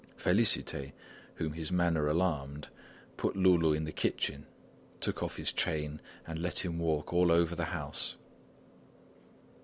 Félicité, whom his manner alarmed, put Loulou in the kitchen, took off his chain and let him walk all over the house.